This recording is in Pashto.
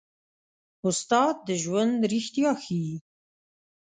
استاد د ژوند رښتیا ښيي.